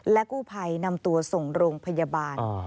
กู้ภัยนำตัวส่งโรงพยาบาล